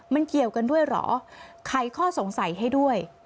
มันเกี่ยวกันด้วยเหรอไขข้อสงสัยให้ด้วย